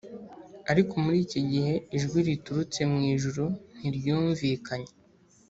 ariko muri iki gihe, ijwi riturutse mu ijuru ntiryumvikanye